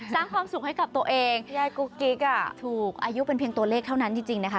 สร้างความสุขให้กับตัวเองพี่ไอ้กุ๊กกิ๊กถูกอายุเป็นเพียงตัวเลขเท่านั้นจริงนะคะ